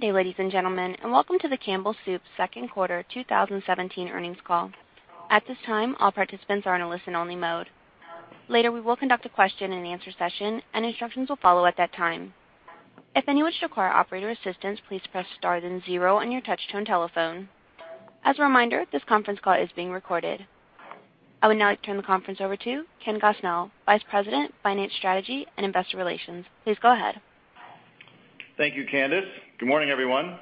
Good day, ladies and gentlemen, and welcome to the Campbell Soup second quarter 2017 earnings call. At this time, all participants are in a listen-only mode. Later, we will conduct a question and answer session, and instructions will follow at that time. If anyone should require operator assistance, please press star then zero on your touch-tone telephone. As a reminder, this conference call is being recorded. I would now like to turn the conference over to Ken Gosnell, Vice President, Finance Strategy and Investor Relations. Please go ahead. Thank you, Candice. Good morning, everyone.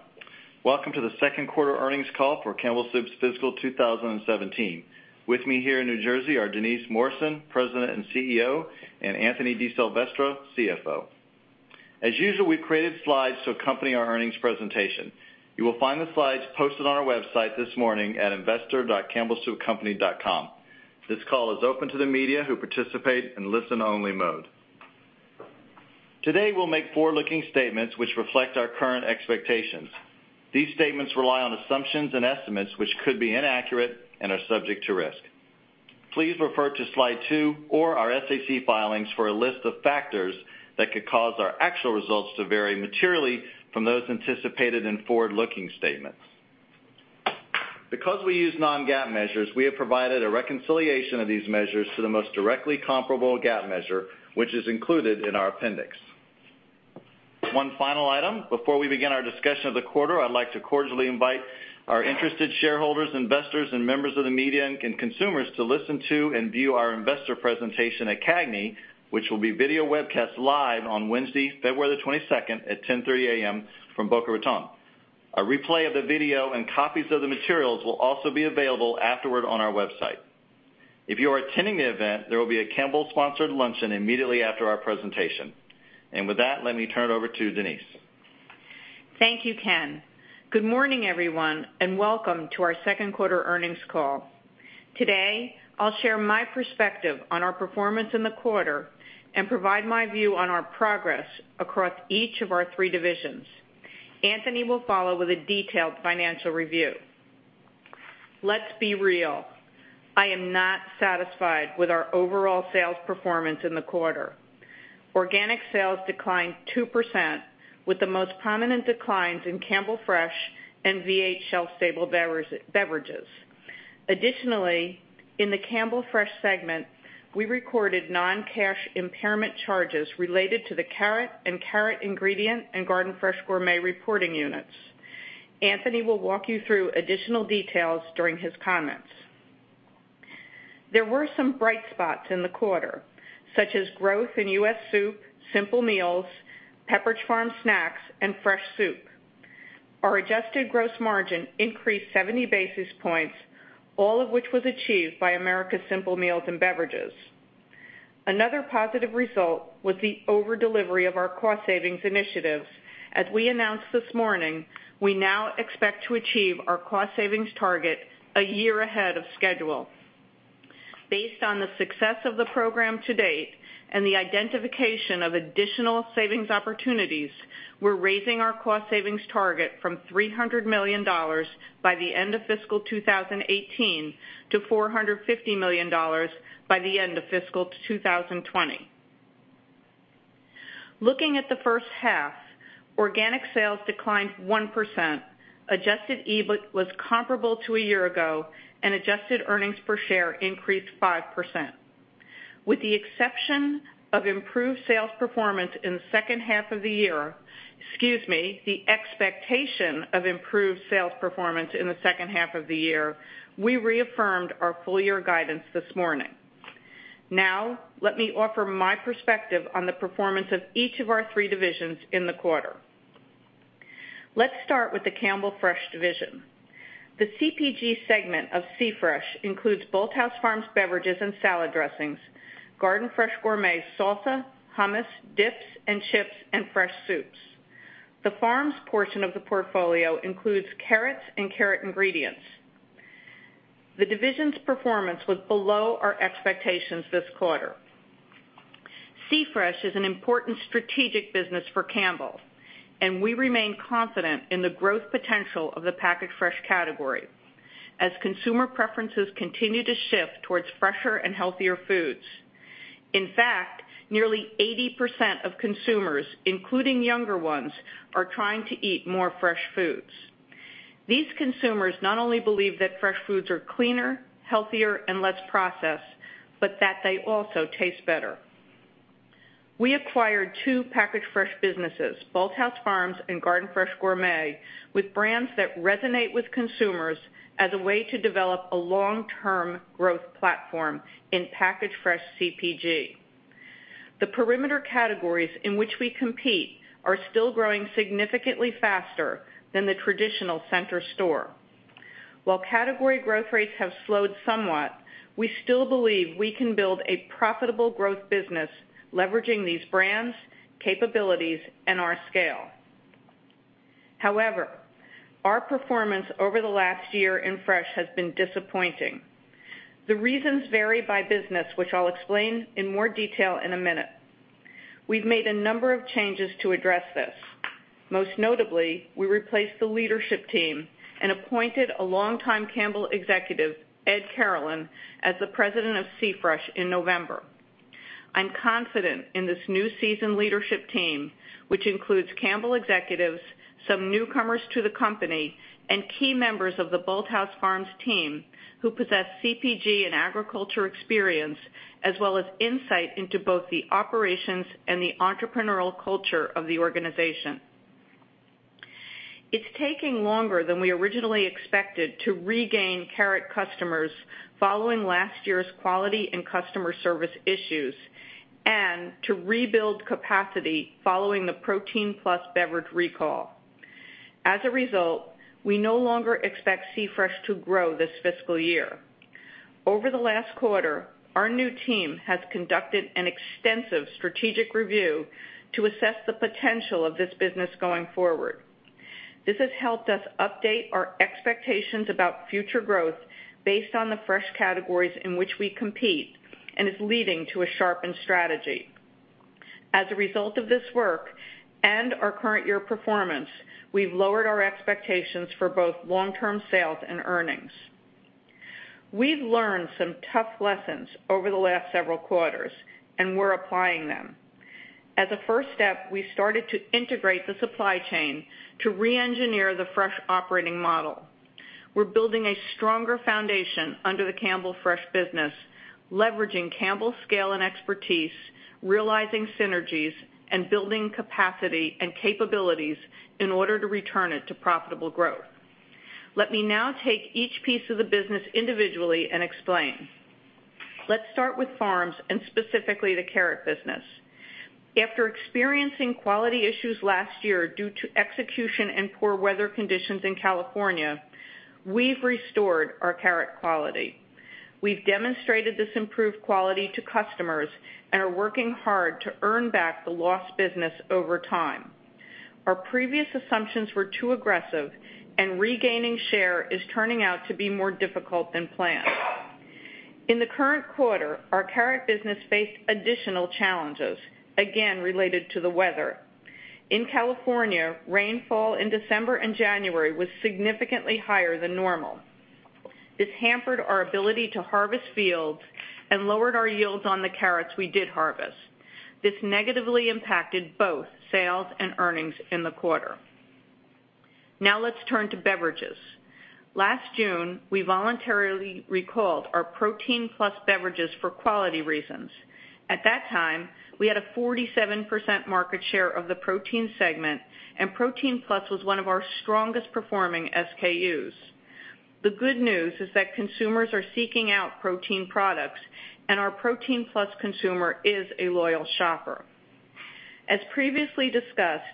Welcome to the second quarter earnings call for Campbell Soup's fiscal 2017. With me here in New Jersey are Denise Morrison, President and CEO, and Anthony DiSilvestro, CFO. As usual, we've created slides to accompany our earnings presentation. You will find the slides posted on our website this morning at investor.campbellsoupcompany.com. This call is open to the media who participate in listen-only mode. Today, we'll make forward-looking statements which reflect our current expectations. These statements rely on assumptions and estimates which could be inaccurate and are subject to risk. Please refer to Slide 2 or our SEC filings for a list of factors that could cause our actual results to vary materially from those anticipated in forward-looking statements. Because we use non-GAAP measures, we have provided a reconciliation of these measures to the most directly comparable GAAP measure, which is included in our appendix. One final item. Before we begin our discussion of the quarter, I'd like to cordially invite our interested shareholders, investors, and members of the media and consumers to listen to and view our investor presentation at CAGNY, which will be video webcast live on Wednesday, February the 22nd at 10:30 A.M. from Boca Raton. A replay of the video and copies of the materials will also be available afterward on our website. If you are attending the event, there will be a Campbell-sponsored luncheon immediately after our presentation. With that, let me turn it over to Denise. Thank you, Ken. Good morning, everyone, and welcome to our second quarter earnings call. Today, I'll share my perspective on our performance in the quarter and provide my view on our progress across each of our three divisions. Anthony will follow with a detailed financial review. Let's be real. I am not satisfied with our overall sales performance in the quarter. Organic sales declined 2% with the most prominent declines in Campbell Fresh and V8 Shelf Stable Beverages. Additionally, in the Campbell Fresh segment, we recorded non-cash impairment charges related to the carrot, and carrot ingredient, and Garden Fresh Gourmet reporting units. Anthony will walk you through additional details during his comments. There were some bright spots in the quarter, such as growth in U.S. soup, simple meals, Pepperidge Farm snacks, and fresh soup. Our adjusted gross margin increased 70 basis points, all of which was achieved by Americas Simple Meals and Beverages. Another positive result was the over delivery of our cost savings initiatives. As we announced this morning, we now expect to achieve our cost savings target a year ahead of schedule. Based on the success of the program to date and the identification of additional savings opportunities, we're raising our cost savings target from $300 million by the end of fiscal 2018 to $450 million by the end of fiscal 2020. Looking at the first half, organic sales declined 1%, adjusted EBIT was comparable to a year ago, and adjusted earnings per share increased 5%. Excuse me, the expectation of improved sales performance in the second half of the year, we reaffirmed our full-year guidance this morning. Let me offer my perspective on the performance of each of our three divisions in the quarter. Let's start with the Campbell Fresh division. The CPG segment of C Fresh includes Bolthouse Farms beverages and salad dressings, Garden Fresh Gourmet salsa, hummus, dips, and chips, and fresh soups. The Farms portion of the portfolio includes carrots and carrot ingredients. The division's performance was below our expectations this quarter. C Fresh is an important strategic business for Campbell, and we remain confident in the growth potential of the packaged fresh category as consumer preferences continue to shift towards fresher and healthier foods. In fact, nearly 80% of consumers, including younger ones, are trying to eat more fresh foods. These consumers not only believe that fresh foods are cleaner, healthier, and less processed, but that they also taste better. We acquired two packaged fresh businesses, Bolthouse Farms and Garden Fresh Gourmet, with brands that resonate with consumers as a way to develop a long-term growth platform in packaged fresh CPG. The perimeter categories in which we compete are still growing significantly faster than the traditional center store. While category growth rates have slowed somewhat, we still believe we can build a profitable growth business leveraging these brands, capabilities, and our scale. Our performance over the last year in Fresh has been disappointing. The reasons vary by business, which I'll explain in more detail in a minute. We've made a number of changes to address this. Most notably, we replaced the leadership team and appointed a longtime Campbell executive, Ed Carolan, as the president of C Fresh in November. I'm confident in this new season leadership team, which includes Campbell executives, some newcomers to the company, and key members of the Bolthouse Farms team who possess CPG and agriculture experience, as well as insight into both the operations and the entrepreneurial culture of the organization. It's taking longer than we originally expected to regain carrot customers following last year's quality and customer service issues and to rebuild capacity following the Protein Plus beverage recall. As a result, we no longer expect C Fresh to grow this fiscal year. Over the last quarter, our new team has conducted an extensive strategic review to assess the potential of this business going forward. This has helped us update our expectations about future growth based on the fresh categories in which we compete and is leading to a sharpened strategy. As a result of this work and our current year performance, we've lowered our expectations for both long-term sales and earnings. We've learned some tough lessons over the last several quarters, and we're applying them. As a first step, we started to integrate the supply chain to re-engineer the Campbell Fresh operating model. We're building a stronger foundation under the Campbell Fresh business, leveraging Campbell's scale and expertise, realizing synergies, and building capacity and capabilities in order to return it to profitable growth. Let me now take each piece of the business individually and explain. Let's start with Bolthouse Farms, and specifically, the carrot business. After experiencing quality issues last year due to execution and poor weather conditions in California, we've restored our carrot quality. We've demonstrated this improved quality to customers and are working hard to earn back the lost business over time. Our previous assumptions were too aggressive, and regaining share is turning out to be more difficult than planned. In the current quarter, our carrot business faced additional challenges, again, related to the weather. In California, rainfall in December and January was significantly higher than normal. This hampered our ability to harvest fields and lowered our yields on the carrots we did harvest. This negatively impacted both sales and earnings in the quarter. Now let's turn to beverages. Last June, we voluntarily recalled our Protein Plus beverages for quality reasons. At that time, we had a 47% market share of the protein segment, and Protein Plus was one of our strongest performing SKUs. The good news is that consumers are seeking out protein products, and our Protein Plus consumer is a loyal shopper. As previously discussed,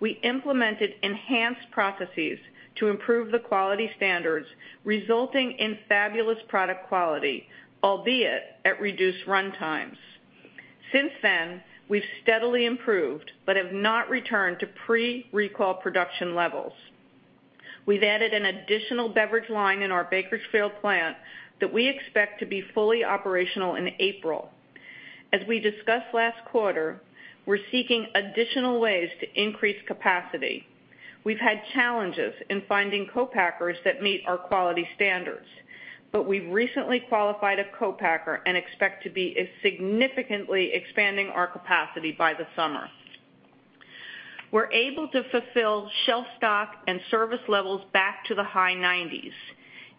we implemented enhanced processes to improve the quality standards, resulting in fabulous product quality, albeit at reduced run times. Since then, we've steadily improved but have not returned to pre-recall production levels. We've added an additional beverage line in our Bakersfield plant that we expect to be fully operational in April. As we discussed last quarter, we're seeking additional ways to increase capacity. We've had challenges in finding co-packers that meet our quality standards, but we've recently qualified a co-packer and expect to be significantly expanding our capacity by the summer. We're able to fulfill shelf stock and service levels back to the high 90s.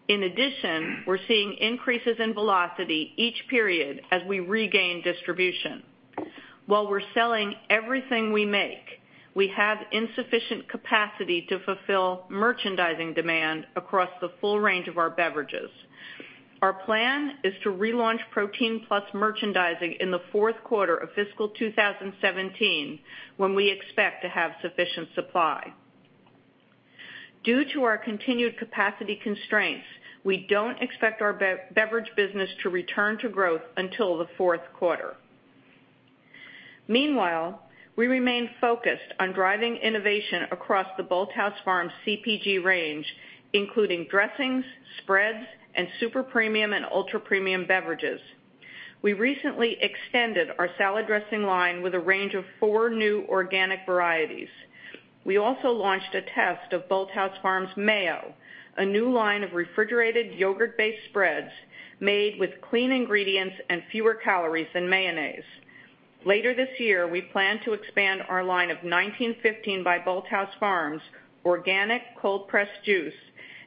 In addition, we're seeing increases in velocity each period as we regain distribution. While we're selling everything we make, we have insufficient capacity to fulfill merchandising demand across the full range of our beverages. Our plan is to relaunch Protein Plus merchandising in the fourth quarter of fiscal 2017, when we expect to have sufficient supply. Due to our continued capacity constraints, we don't expect our beverage business to return to growth until the fourth quarter. Meanwhile, we remain focused on driving innovation across the Bolthouse Farms CPG range, including dressings, spreads, and super premium and ultra-premium beverages. We recently extended our salad dressing line with a range of four new organic varieties. We also launched a test of Bolthouse Farms MAIO, a new line of refrigerated yogurt-based spreads made with clean ingredients and fewer calories than mayonnaise. Later this year, we plan to expand our line of 1915 by Bolthouse Farms organic cold pressed juice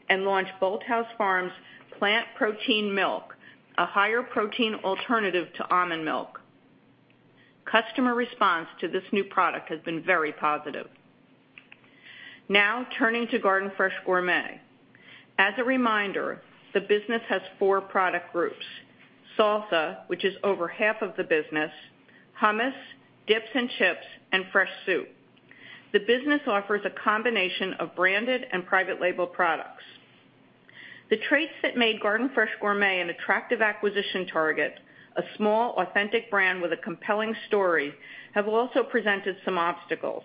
and launch Bolthouse Farms Plant Protein Milk, a higher protein alternative to almond milk. Customer response to this new product has been very positive. Turning to Garden Fresh Gourmet. As a reminder, the business has four product groups, salsa, which is over half of the business, hummus, dips and chips, and fresh soup. The business offers a combination of branded and private label products. The traits that made Garden Fresh Gourmet an attractive acquisition target, a small, authentic brand with a compelling story, have also presented some obstacles.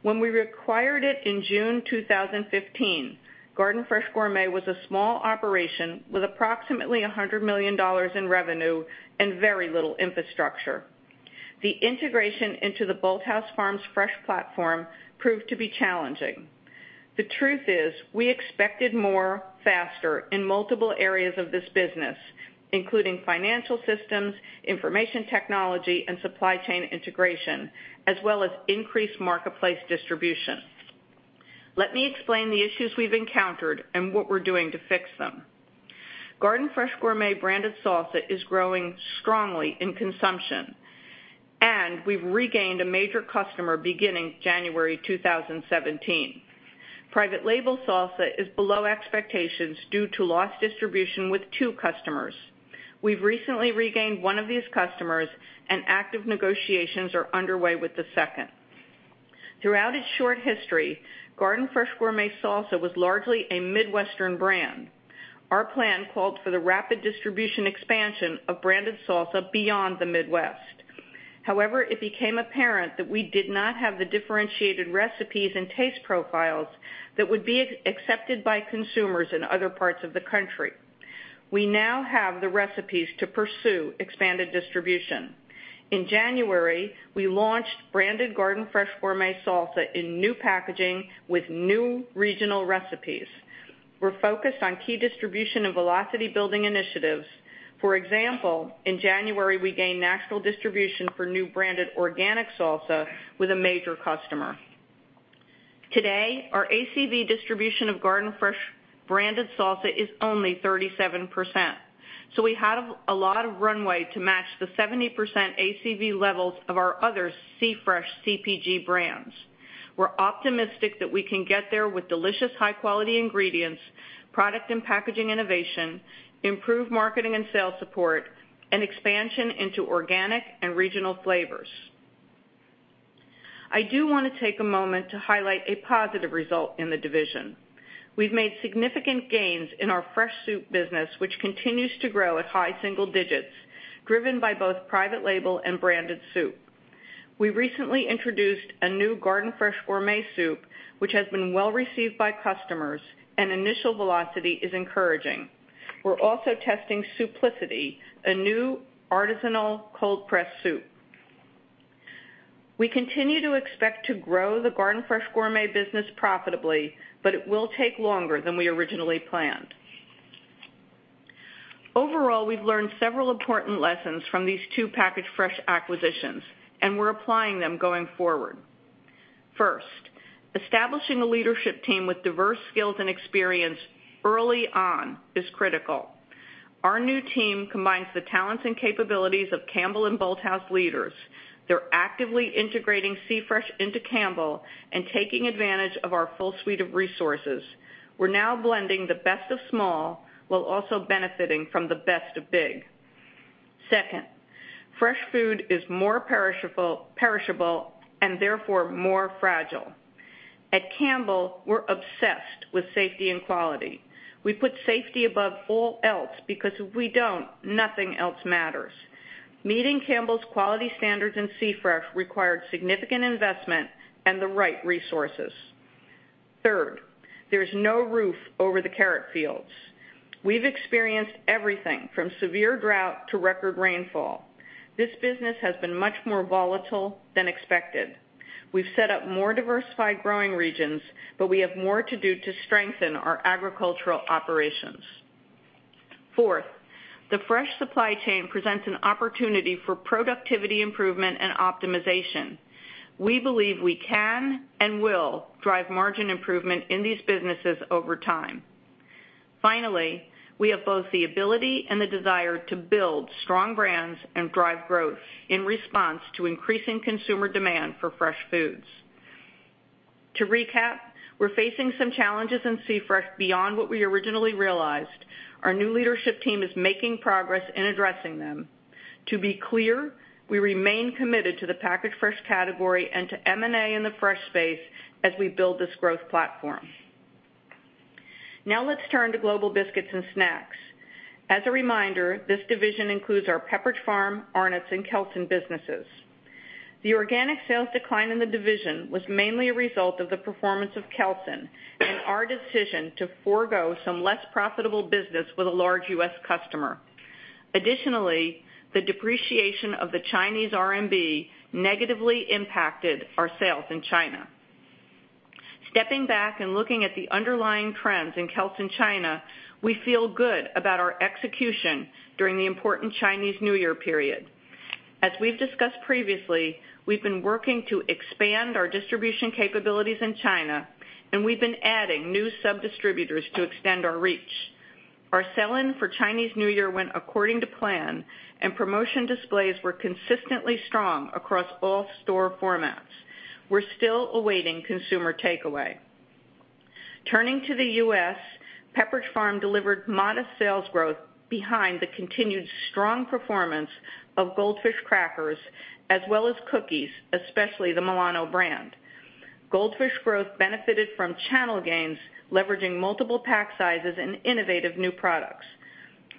When we acquired it in June 2015, Garden Fresh Gourmet was a small operation with approximately $100 million in revenue and very little infrastructure. The integration into the Bolthouse Farms Fresh platform proved to be challenging. The truth is, we expected more faster in multiple areas of this business, including financial systems, information technology, and supply chain integration, as well as increased marketplace distribution. Let me explain the issues we've encountered and what we're doing to fix them. Garden Fresh Gourmet branded salsa is growing strongly in consumption, we've regained a major customer beginning January 2017. Private label salsa is below expectations due to lost distribution with two customers. We've recently regained one of these customers, and active negotiations are underway with the second. Throughout its short history, Garden Fresh Gourmet salsa was largely a Midwestern brand. Our plan called for the rapid distribution expansion of branded salsa beyond the Midwest. It became apparent that we did not have the differentiated recipes and taste profiles that would be accepted by consumers in other parts of the country. We now have the recipes to pursue expanded distribution. In January, we launched branded Garden Fresh Gourmet salsa in new packaging with new regional recipes. We're focused on key distribution and velocity-building initiatives. For example, in January, we gained national distribution for new branded organic salsa with a major customer. Today, our ACV distribution of Garden Fresh branded salsa is only 37%, we have a lot of runway to match the 70% ACV levels of our other C-Fresh CPG brands. We're optimistic that we can get there with delicious high-quality ingredients, product and packaging innovation, improved marketing and sales support, and expansion into organic and regional flavors. I do want to take a moment to highlight a positive result in the division. We've made significant gains in our Fresh Soup business, which continues to grow at high single digits, driven by both private label and branded soup. We recently introduced a new Garden Fresh Gourmet soup, which has been well-received by customers, and initial velocity is encouraging. We're also testing Souplicity, a new artisanal cold press soup. We continue to expect to grow the Garden Fresh Gourmet business profitably, it will take longer than we originally planned. Overall, we've learned several important lessons from these two Packaged Fresh acquisitions, we're applying them going forward. First, establishing a leadership team with diverse skills and experience early on is critical. Our new team combines the talents and capabilities of Campbell and Bolthouse leaders. They're actively integrating C-Fresh into Campbell and taking advantage of our full suite of resources. We're now blending the best of small while also benefiting from the best of big. Second, fresh food is more perishable, therefore more fragile. At Campbell, we're obsessed with safety and quality. We put safety above all else, because if we don't, nothing else matters. Meeting Campbell's quality standards in C-Fresh required significant investment and the right resources. Third, there's no roof over the carrot fields. We've experienced everything from severe drought to record rainfall. This business has been much more volatile than expected. We've set up more diversified growing regions, but we have more to do to strengthen our agricultural operations. Fourth, the fresh supply chain presents an opportunity for productivity improvement and optimization. We believe we can, and will, drive margin improvement in these businesses over time. Finally, we have both the ability and the desire to build strong brands and drive growth in response to increasing consumer demand for fresh foods. To recap, we're facing some challenges in C-Fresh beyond what we originally realized. Our new leadership team is making progress in addressing them. To be clear, we remain committed to the Packaged Fresh category and to M&A in the fresh space as we build this growth platform. Let's turn to Global Biscuits and Snacks. As a reminder, this division includes our Pepperidge Farm, Arnott's, and Kelsen businesses. The organic sales decline in the division was mainly a result of the performance of Kelsen and our decision to forgo some less profitable business with a large U.S. customer. Additionally, the depreciation of the Chinese RMB negatively impacted our sales in China. Stepping back and looking at the underlying trends in Kelsen China, we feel good about our execution during the important Chinese New Year period. As we've discussed previously, we've been working to expand our distribution capabilities in China, and we've been adding new sub-distributors to extend our reach. Our sell-in for Chinese New Year went according to plan, and promotion displays were consistently strong across all store formats. We're still awaiting consumer takeaway. Turning to the U.S., Pepperidge Farm delivered modest sales growth behind the continued strong performance of Goldfish crackers, as well as cookies, especially the Milano brand. Goldfish growth benefited from channel gains, leveraging multiple pack sizes and innovative new products.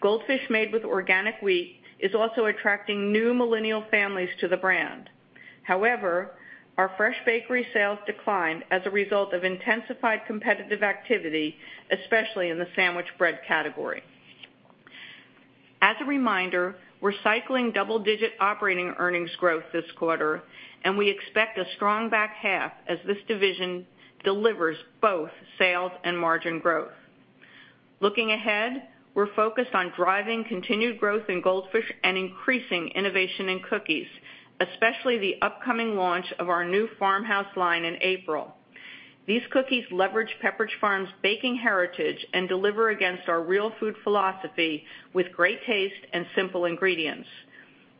Goldfish made with organic wheat is also attracting new millennial families to the brand. Our Fresh Bakery sales declined as a result of intensified competitive activity, especially in the sandwich bread category. We're cycling double-digit operating earnings growth this quarter, and we expect a strong back half as this division delivers both sales and margin growth. We're focused on driving continued growth in Goldfish and increasing innovation in cookies, especially the upcoming launch of our new Farmhouse line in April. These cookies leverage Pepperidge Farm's baking heritage and deliver against our real food philosophy with great taste and simple ingredients.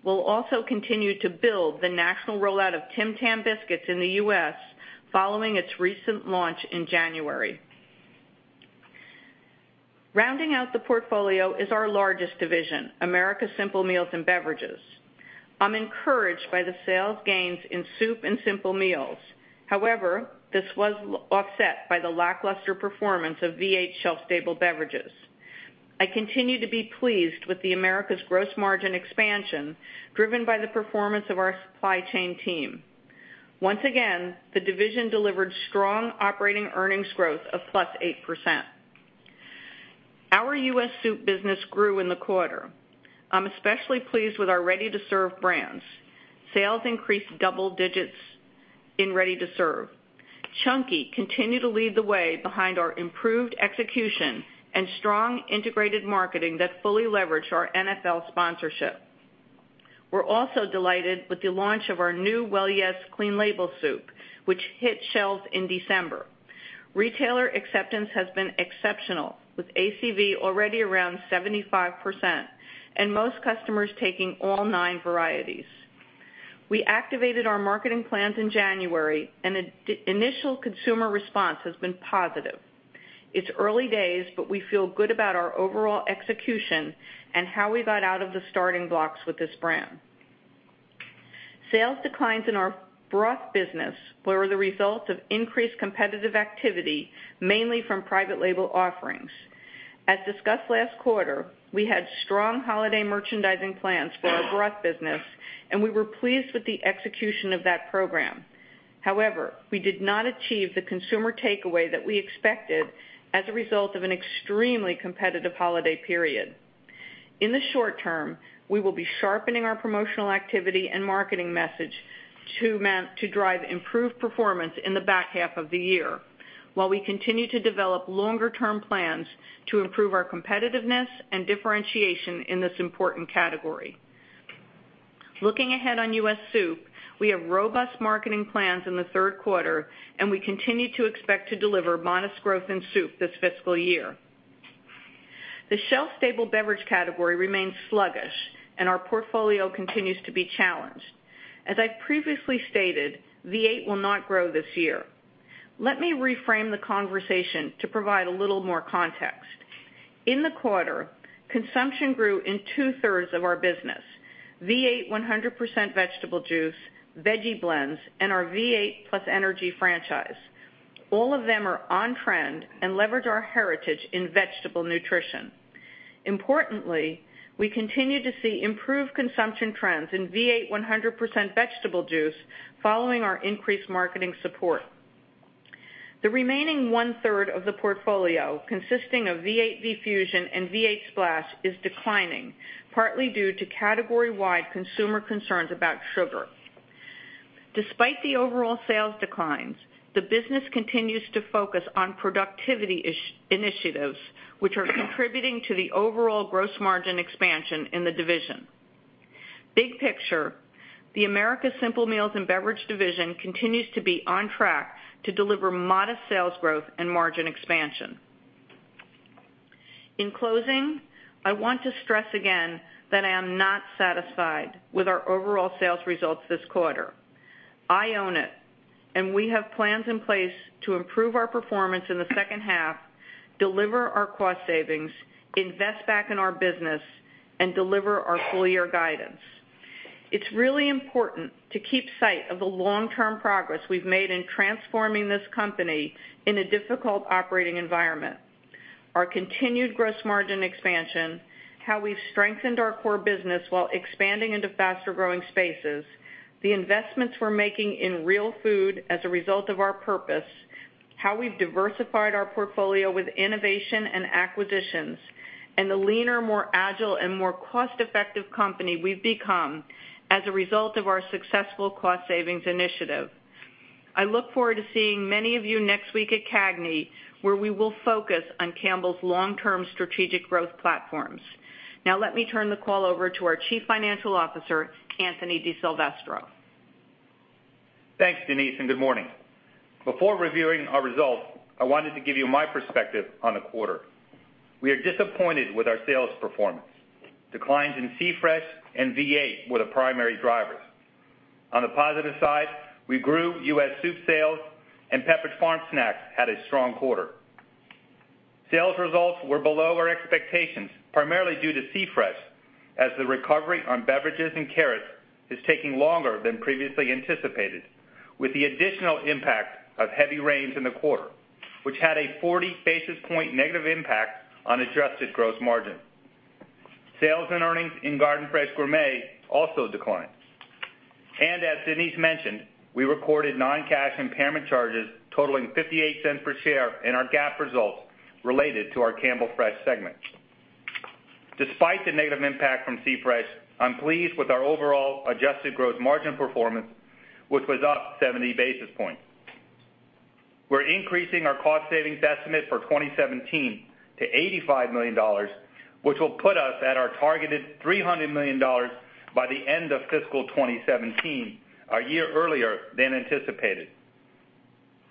We'll also continue to build the national rollout of Tim Tam biscuits in the U.S. following its recent launch in January. Rounding out the portfolio is our largest division, Americas Simple Meals and Beverages. I'm encouraged by the sales gains in soup and simple meals. This was offset by the lackluster performance of V8 shelf-stable beverages. I continue to be pleased with the Americas gross margin expansion, driven by the performance of our supply chain team. Once again, the division delivered strong operating earnings growth of +8%. Our U.S. soup business grew in the quarter. I'm especially pleased with our ready-to-serve brands. Sales increased double digits in ready-to-serve. Chunky continued to lead the way behind our improved execution and strong integrated marketing that fully leveraged our NFL sponsorship. We're also delighted with the launch of our new Well Yes! clean label soup, which hit shelves in December. Retailer acceptance has been exceptional, with ACV already around 75%, and most customers taking all nine varieties. Initial consumer response has been positive. It's early days, but we feel good about our overall execution and how we got out of the starting blocks with this brand. Sales declines in our broth business were the result of increased competitive activity, mainly from private label offerings. As discussed last quarter, we had strong holiday merchandising plans for our broth business. We were pleased with the execution of that program. However, we did not achieve the consumer takeaway that we expected as a result of an extremely competitive holiday period. In the short term, we will be sharpening our promotional activity and marketing message to drive improved performance in the back half of the year, while we continue to develop longer-term plans to improve our competitiveness and differentiation in this important category. Looking ahead on U.S. soup, we have robust marketing plans in the third quarter. We continue to expect to deliver modest growth in soup this fiscal year. The shelf-stable beverage category remains sluggish. Our portfolio continues to be challenged. As I've previously stated, V8 will not grow this year. Let me reframe the conversation to provide a little more context. In the quarter, consumption grew in two-thirds of our business, V8 100% vegetable juice, veggie blends, and our V8 +Energy franchise. All of them are on trend and leverage our heritage in vegetable nutrition. Importantly, we continue to see improved consumption trends in V8 100% vegetable juice following our increased marketing support. The remaining one-third of the portfolio, consisting of V8 V-Fusion and V8 Splash, is declining, partly due to category-wide consumer concerns about sugar. Despite the overall sales declines, the business continues to focus on productivity initiatives, which are contributing to the overall gross margin expansion in the division. Big picture, the Americas Simple Meals and Beverages division continues to be on track to deliver modest sales growth and margin expansion. In closing, I want to stress again that I am not satisfied with our overall sales results this quarter. I own it. We have plans in place to improve our performance in the second half, deliver our cost savings, invest back in our business, and deliver our full-year guidance. It's really important to keep sight of the long-term progress we've made in transforming this company in a difficult operating environment. Our continued gross margin expansion, how we've strengthened our core business while expanding into faster-growing spaces, the investments we're making in real food as a result of our purpose, how we've diversified our portfolio with innovation and acquisitions, and the leaner, more agile, and more cost-effective company we've become as a result of our successful cost savings initiative. I look forward to seeing many of you next week at CAGNY, where we will focus on Campbell's long-term strategic growth platforms. Now let me turn the call over to our Chief Financial Officer, Anthony DiSilvestro. Thanks, Denise, good morning. Before reviewing our results, I wanted to give you my perspective on the quarter. We are disappointed with our sales performance. Declines in C-Fresh and V8 were the primary drivers. On the positive side, we grew U.S. soup sales, and Pepperidge Farm snacks had a strong quarter. Sales results were below our expectations, primarily due to C-Fresh, as the recovery on beverages and carrots is taking longer than previously anticipated, with the additional impact of heavy rains in the quarter, which had a 40 basis point negative impact on adjusted gross margin. Sales and earnings in Garden Fresh Gourmet also declined. As Denise mentioned, we recorded non-cash impairment charges totaling $0.58 per share in our GAAP results related to our Campbell Fresh segment. Despite the negative impact from C-Fresh, I'm pleased with our overall adjusted gross margin performance, which was up 70 basis points. We're increasing our cost savings estimate for 2017 to $85 million, which will put us at our targeted $300 million by the end of fiscal 2017, a year earlier than anticipated.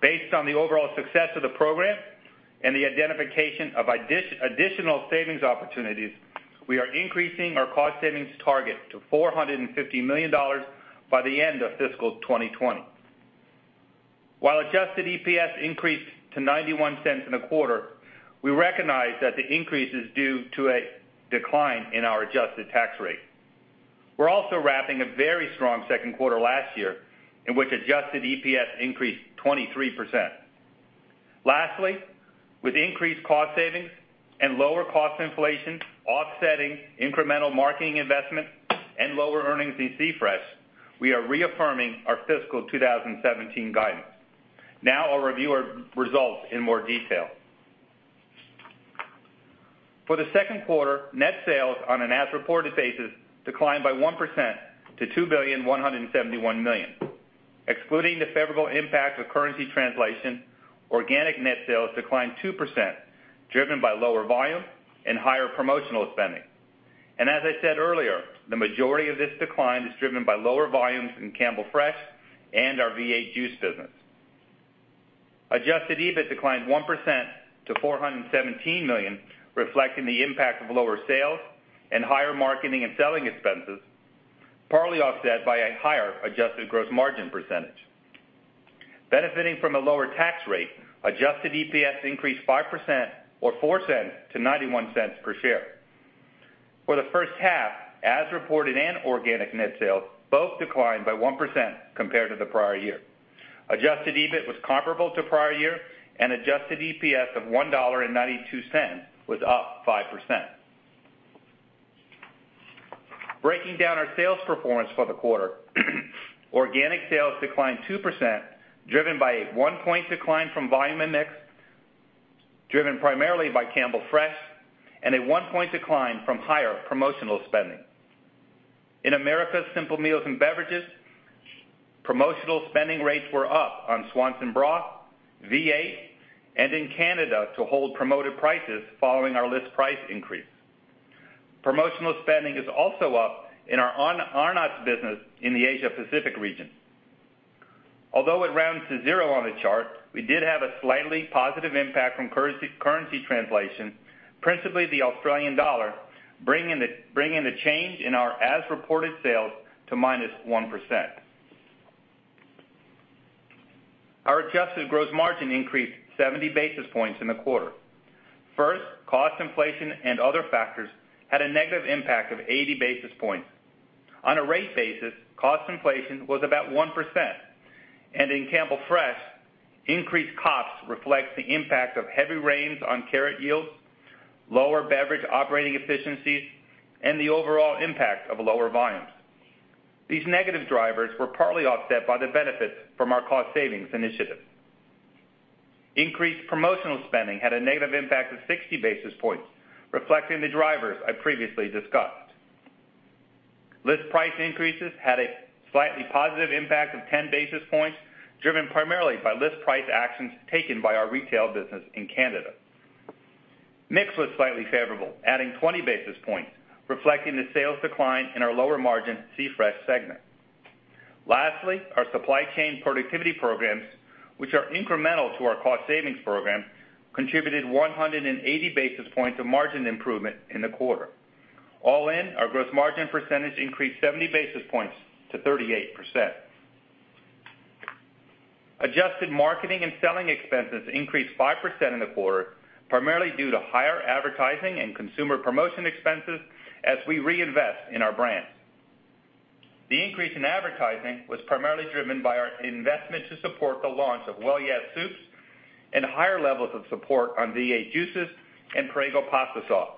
Based on the overall success of the program and the identification of additional savings opportunities, we are increasing our cost savings target to $450 million by the end of fiscal 2020. While adjusted EPS increased to $0.91 in a quarter, we recognize that the increase is due to a decline in our adjusted tax rate. We're also wrapping a very strong second quarter last year, in which adjusted EPS increased 23%. Lastly, with increased cost savings and lower cost inflation offsetting incremental marketing investment and lower earnings in C-Fresh, we are reaffirming our fiscal 2017 guidance. I'll review our results in more detail. For the second quarter, net sales on an as reported basis declined by 1% to $2.171 billion. Excluding the favorable impact of currency translation, organic net sales declined 2%, driven by lower volume and higher promotional spending. As I said earlier, the majority of this decline is driven by lower volumes in Campbell Fresh and our V8 Juice business. Adjusted EBIT declined 1% to $417 million, reflecting the impact of lower sales and higher marketing and selling expenses, partly offset by a higher adjusted gross margin percentage. Benefiting from a lower tax rate, adjusted EPS increased 5% or $0.04 to $0.91 per share. For the first half, as reported in organic net sales, both declined by 1% compared to the prior year. Adjusted EBIT was comparable to prior year and adjusted EPS of $1.92 was up 5%. Breaking down our sales performance for the quarter, organic sales declined 2%, driven by a one point decline from volume and mix, driven primarily by Campbell Fresh, and a one point decline from higher promotional spending. In Americas Simple Meals and Beverages, promotional spending rates were up on Swanson Broth, V8, and in Canada to hold promoted prices following our list price increase. Promotional spending is also up in our Arnott's business in the Asia Pacific region. Although it rounds to zero on the chart, we did have a slightly positive impact from currency translation, principally the Australian dollar, bringing the change in our as-reported sales to -1%. Our adjusted gross margin increased 70 basis points in the quarter. Cost inflation and other factors had a negative impact of 80 basis points. On a rate basis, cost inflation was about 1%, in Campbell Fresh, increased costs reflect the impact of heavy rains on carrot yields, lower beverage operating efficiencies, and the overall impact of lower volumes. These negative drivers were partly offset by the benefits from our cost savings initiative. Increased promotional spending had a negative impact of 60 basis points, reflecting the drivers I previously discussed. List price increases had a slightly positive impact of 10 basis points, driven primarily by list price actions taken by our retail business in Canada. Mix was slightly favorable, adding 20 basis points, reflecting the sales decline in our lower margin C-Fresh segment. Lastly, our supply chain productivity programs, which are incremental to our cost savings program, contributed 180 basis points of margin improvement in the quarter. All in, our gross margin percentage increased 70 basis points to 38%. Adjusted marketing and selling expenses increased 5% in the quarter, primarily due to higher advertising and consumer promotion expenses as we reinvest in our brands. The increase in advertising was primarily driven by our investment to support the launch of Well Yes! Soups and higher levels of support on V8 Juices and Prego Pasta Sauce.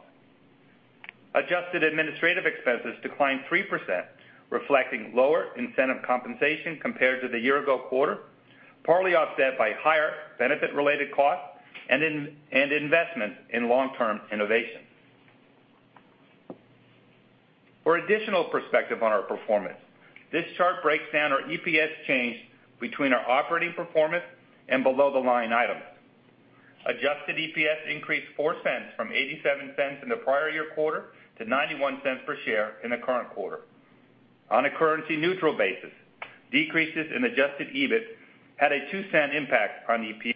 Adjusted administrative expenses declined 3%, reflecting lower incentive compensation compared to the year-ago quarter, partly offset by higher benefit-related costs and investment in long-term innovation. For additional perspective on our performance, this chart breaks down our EPS change between our operating performance and below-the-line items. Adjusted EPS increased $0.04 from $0.87 in the prior year quarter to $0.91 per share in the current quarter. On a currency-neutral basis, decreases in adjusted EBIT had a $0.02 impact on EPS.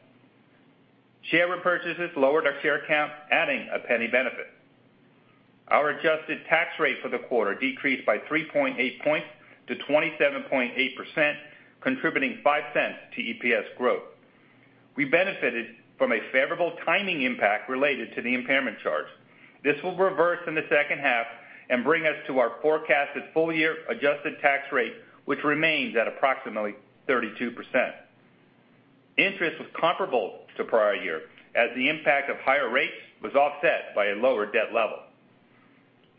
Share repurchases lowered our share count, adding a $0.01 benefit. Our adjusted tax rate for the quarter decreased by 3.8 points to 27.8%, contributing $0.05 to EPS growth. We benefited from a favorable timing impact related to the impairment charge. This will reverse in the second half and bring us to our forecasted full-year adjusted tax rate, which remains at approximately 32%. Interest was comparable to prior year as the impact of higher rates was offset by a lower debt level.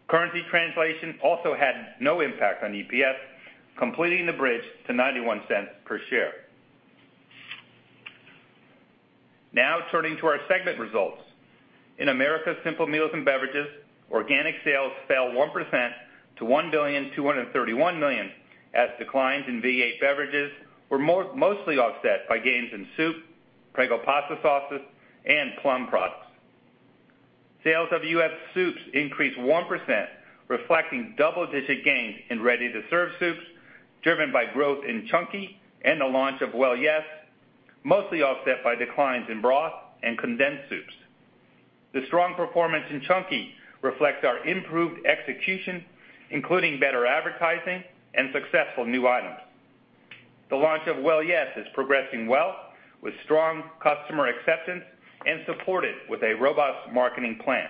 Currency translation also had no impact on EPS, completing the bridge to $0.91 per share. Turning to our segment results. In Americas Simple Meals and Beverages, organic sales fell 1% to $1,231 million as declines in V8 Beverages were mostly offset by gains in soup, Prego pasta sauces, and Plum Organics products. Sales of U.S. soups increased 1%, reflecting double-digit gains in ready-to-serve soups, driven by growth in Chunky and the launch of Well Yes!, mostly offset by declines in broth and condensed soups. The strong performance in Chunky reflects our improved execution, including better advertising and successful new items. The launch of Well Yes! is progressing well, with strong customer acceptance and supported with a robust marketing plan.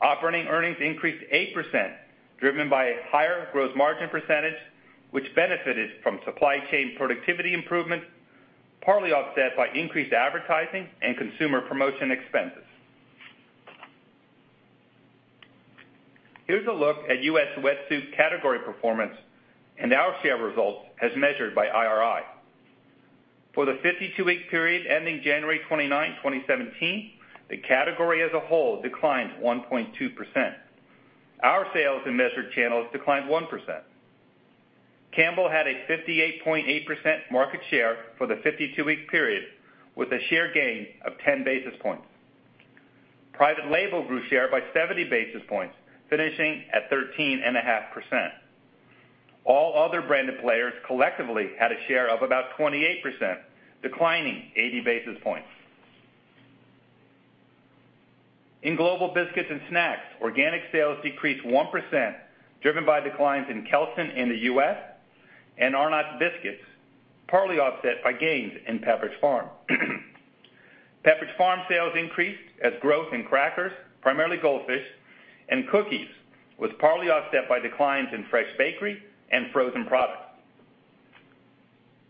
Operating earnings increased 8%, driven by a higher gross margin percentage, which benefited from supply chain productivity improvement, partly offset by increased advertising and consumer promotion expenses. Here's a look at U.S. wet soup category performance and our share results as measured by IRI. For the 52-week period ending January 29, 2017, the category as a whole declined 1.2%. Our sales in measured channels declined 1%. Campbell had a 58.8% market share for the 52-week period, with a share gain of 10 basis points. Private label grew share by 70 basis points, finishing at 13.5%. All other branded players collectively had a share of about 28%, declining 80 basis points. In Global Biscuits and Snacks, organic sales decreased 1%, driven by declines in Kelsen in the U.S. and Arnott's biscuits, partly offset by gains in Pepperidge Farm. Pepperidge Farm sales increased as growth in crackers, primarily Goldfish and cookies, was partly offset by declines in fresh bakery and frozen products.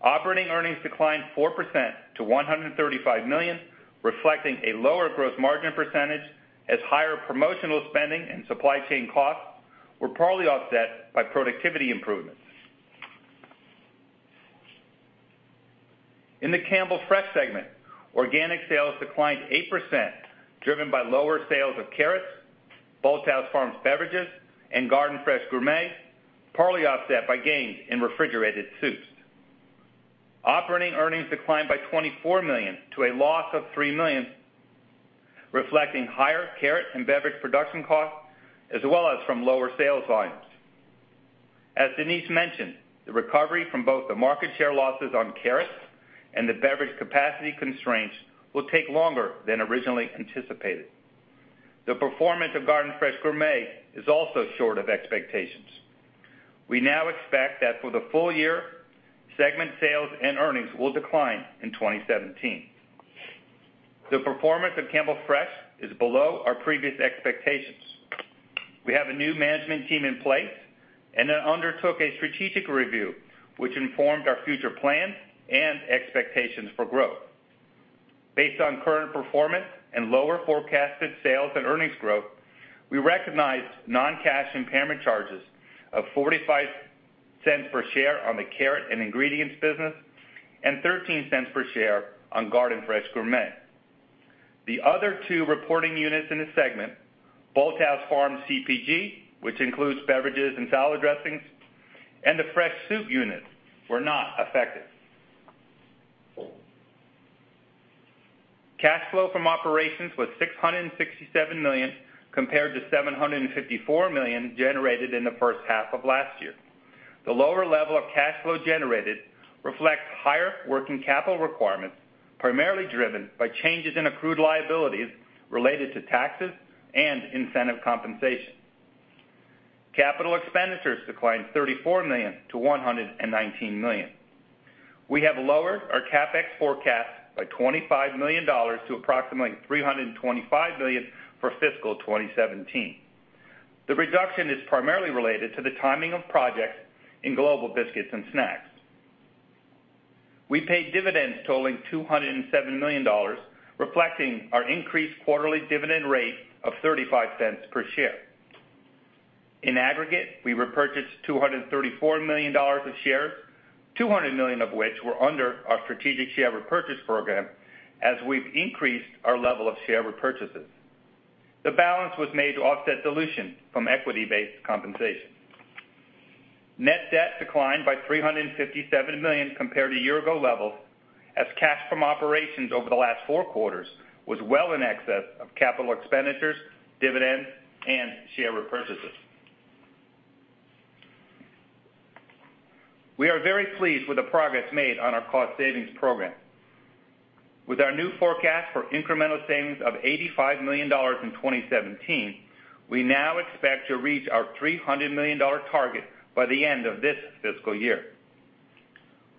Operating earnings declined 4% to $135 million, reflecting a lower gross margin percentage as higher promotional spending and supply chain costs were partly offset by productivity improvements. In the Campbell Fresh segment, organic sales declined 8%, driven by lower sales of carrots, Bolthouse Farms beverages, and Garden Fresh Gourmet, partly offset by gains in refrigerated soups. Operating earnings declined by $24 million to a loss of $3 million, reflecting higher carrot and beverage production costs, as well as from lower sales volumes. As Denise mentioned, the recovery from both the market share losses on carrots and the beverage capacity constraints will take longer than originally anticipated. The performance of Garden Fresh Gourmet is also short of expectations. We now expect that for the full year, segment sales and earnings will decline in 2017. The performance of Campbell Fresh is below our previous expectations. We have a new management team in place and then undertook a strategic review, which informed our future plans and expectations for growth. Based on current performance and lower forecasted sales and earnings growth, we recognized non-cash impairment charges of $0.45 per share on the carrot and ingredients business and $0.13 per share on Garden Fresh Gourmet. The other two reporting units in the segment, Bolthouse Farms CPG, which includes beverages and salad dressings, and the fresh soup unit, were not affected. Cash flow from operations was $667 million, compared to $754 million generated in the first half of last year. The lower level of cash flow generated reflects higher working capital requirements, primarily driven by changes in accrued liabilities related to taxes and incentive compensation. Capital expenditures declined $34 million to $119 million. We have lowered our CapEx forecast by $25 million to approximately $325 million for fiscal 2017. The reduction is primarily related to the timing of projects in Global Biscuits and Snacks. We paid dividends totaling $207 million, reflecting our increased quarterly dividend rate of $0.35 per share. In aggregate, we repurchased $234 million of shares, $200 million of which were under our strategic share repurchase program, as we've increased our level of share repurchases. The balance was made to offset dilution from equity-based compensation. Net debt declined by $357 million compared to year-ago levels, as cash from operations over the last four quarters was well in excess of capital expenditures, dividends, and share repurchases. We are very pleased with the progress made on our cost savings program. With our new forecast for incremental savings of $85 million in 2017, we now expect to reach our $300 million target by the end of this fiscal year.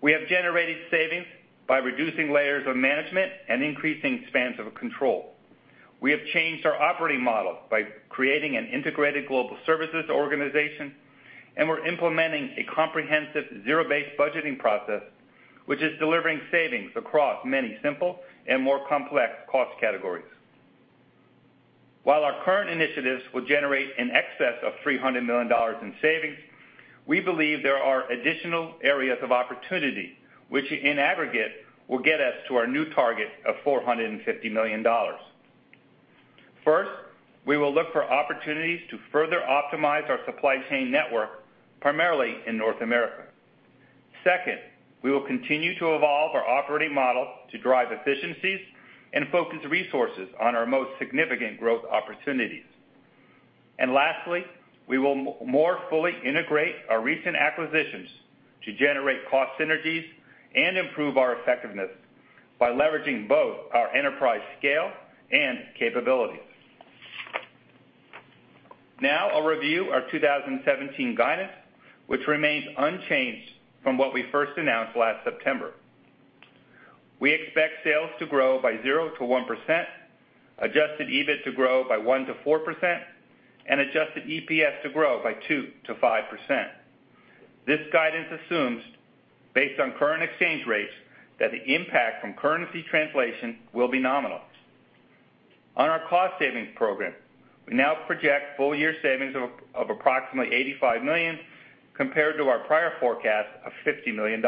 We have generated savings by reducing layers of management and increasing spans of control. We have changed our operating model by creating an integrated global services organization, we're implementing a comprehensive zero-based budgeting process, which is delivering savings across many simple and more complex cost categories. While our current initiatives will generate in excess of $300 million in savings, we believe there are additional areas of opportunity, which in aggregate will get us to our new target of $450 million. First, we will look for opportunities to further optimize our supply chain network, primarily in North America. Second, we will continue to evolve our operating model to drive efficiencies and focus resources on our most significant growth opportunities. Lastly, we will more fully integrate our recent acquisitions to generate cost synergies and improve our effectiveness by leveraging both our enterprise scale and capabilities. I'll review our 2017 guidance, which remains unchanged from what we first announced last September. We expect sales to grow by 0%-1%, adjusted EBIT to grow by 1%-4%, adjusted EPS to grow by 2%-5%. This guidance assumes, based on current exchange rates, that the impact from currency translation will be nominal. On our cost savings program, we now project full year savings of approximately $85 million compared to our prior forecast of $50 million.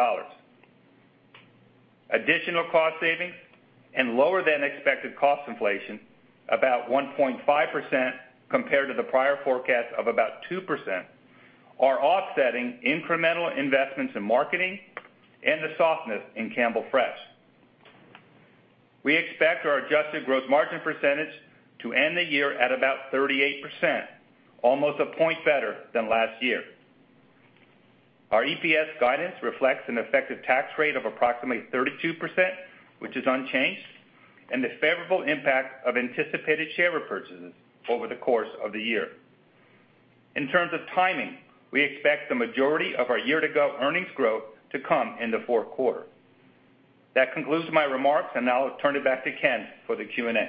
Additional cost savings and lower than expected cost inflation, about 1.5% compared to the prior forecast of about 2%, are offsetting incremental investments in marketing and the softness in Campbell Fresh. We expect our adjusted gross margin percentage to end the year at about 38%, almost a point better than last year. Our EPS guidance reflects an effective tax rate of approximately 32%, which is unchanged, and the favorable impact of anticipated share repurchases over the course of the year. In terms of timing, we expect the majority of our year-to-go earnings growth to come in the fourth quarter. That concludes my remarks, now I'll turn it back to Ken for the Q&A.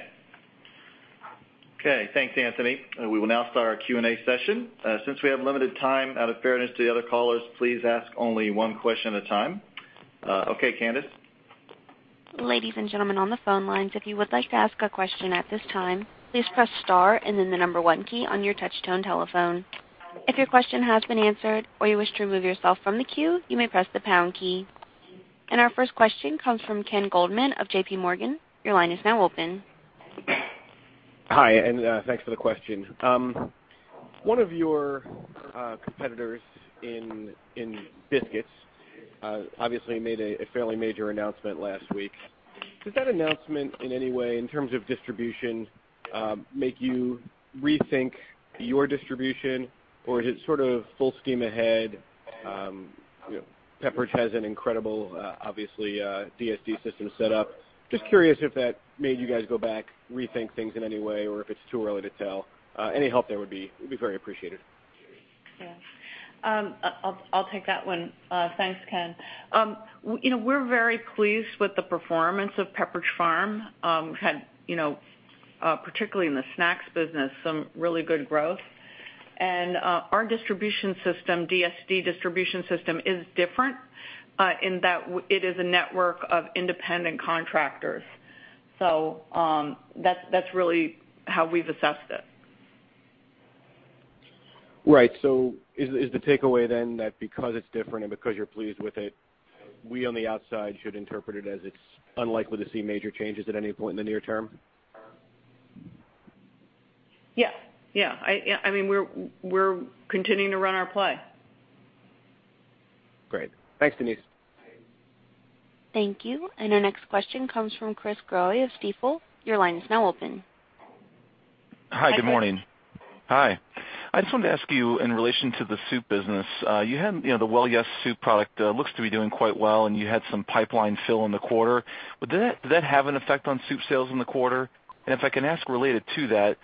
Okay, thanks Anthony. We will now start our Q&A session. Since we have limited time, out of fairness to the other callers, please ask only one question at a time. Okay, Candice. Ladies and gentlemen on the phone lines, if you would like to ask a question at this time, please press star and then the number one key on your touch-tone telephone. If your question has been answered or you wish to remove yourself from the queue, you may press the pound key. Our first question comes from Ken Goldman of J.P. Morgan. Your line is now open. Hi, thanks for the question. One of your competitors in biscuits obviously made a fairly major announcement last week. Does that announcement in any way, in terms of distribution, make you rethink your distribution? Or is it sort of full steam ahead? Pepperidge has an incredible, obviously, DSD system set up. Just curious if that made you guys go back, rethink things in any way, or if it's too early to tell. Any help there would be very appreciated. Yeah. I'll take that one. Thanks, Ken. We're very pleased with the performance of Pepperidge Farm. We've had, particularly in the snacks business, some really good growth. Our distribution system, DSD distribution system, is different in that it is a network of independent contractors. That's really how we've assessed it. Right. Is the takeaway then that because it's different and because you're pleased with it, we on the outside should interpret it as it's unlikely to see major changes at any point in the near term? Yeah. I mean, we're continuing to run our play. Great. Thanks, Denise. Thank you. Our next question comes from Chris Growe of Stifel. Your line is now open. Hi, good morning. Hi, Chris. Hi. I just wanted to ask you in relation to the soup business, the Well Yes! soup product looks to be doing quite well, and you had some pipeline fill in the quarter. Would that have an effect on soup sales in the quarter? If I can ask related to that,